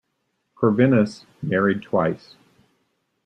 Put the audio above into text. Corvinus married twice.